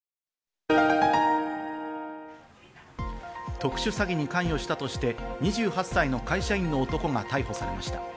特殊詐欺に関与したとして２８歳の会社員の男が逮捕されました。